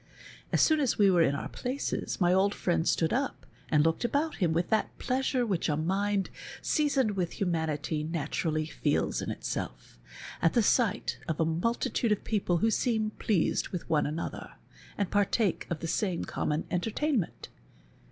As soon as we were in our places my old friend stood up and looked about him with that pleasure which a mind seasoned with himianity naturall}^ feels in itself, at the sight of a multitude of j)eople who seem pleased with one another, and partake of the same common entertainment.